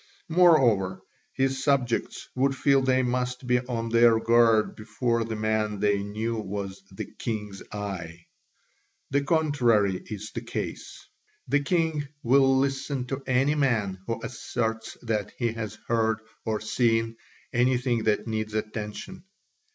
Moreover, his subjects would feel they must be on their guard before the man they knew was "the king's eye." The contrary is the case; the king will listen to any man who asserts that he has heard or seen anything that needs attention.